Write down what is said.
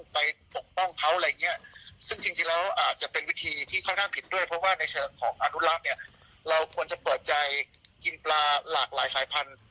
เปิดใจครับลองกินหลายอย่าง